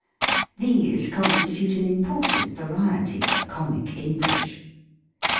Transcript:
These constitute an important variety of comic English.